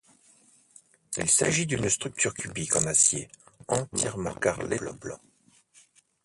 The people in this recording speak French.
Il s'agit d'une structure cubique en acier entièrement carrelée de blanc.